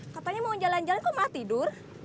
katanya mau jalan jalan kok malah tidur